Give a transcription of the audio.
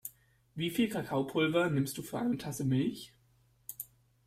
Wie viel Kakaopulver nimmst du für eine Tasse Milch?